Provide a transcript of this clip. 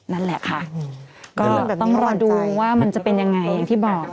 นั่นแหละค่ะก็ต้องรอดูว่ามันจะเป็นยังไงอย่างที่บอก